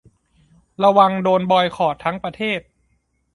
ระวังจะโดนบอยคอตทั้งประเทศ